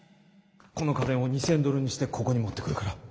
この金を２，０００ドルにしてここに持ってくるから。